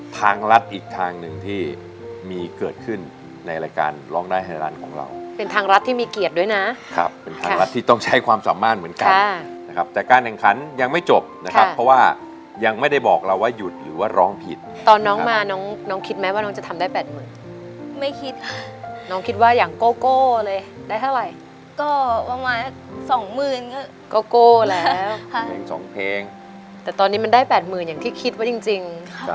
ทางรัฐอีกทางหนึ่งที่มีเกิดขึ้นในรายการร้องได้ฮนาลันของเราเป็นทางรัฐที่มีเกียรติด้วยนะครับเป็นทางรัฐที่ต้องใช้ความสามารถเหมือนกันนะครับแต่การแห่งคันยังไม่จบนะครับเพราะว่ายังไม่ได้บอกเราว่ายุดหรือว่าร้องผิดตอนน้องมาน้องน้องคิดไหมว่าน้องจะทำได้แปดหมื่นไม่คิดน้องคิดว่าอย่าง